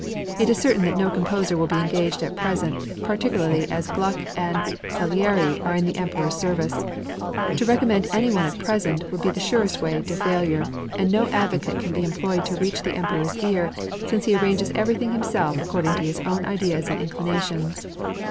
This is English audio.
It is certain that no composer will be engaged at present, particularly as Gluck and Salieri are in the Emperor's service. To recommend any one at present would be the surest way to failure; and no advocate can be employed to reach the Emperor's ear, since he arranges everything himself according to his own ideas and inclinations.